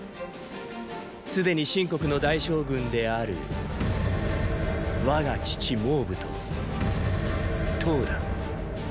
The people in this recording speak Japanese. すでに秦国の大将軍である我が父蒙武と騰だ。